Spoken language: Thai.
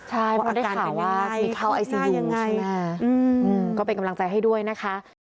ใช่เพราะได้ข่าวว่ามีเข้าไอซียูใช่ไหมคะก็เป็นกำลังใจให้ด้วยนะคะ